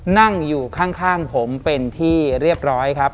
นั่งอยู่ข้างผมเป็นที่เรียบร้อยครับ